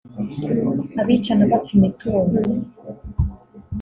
abicana bapfa imitungo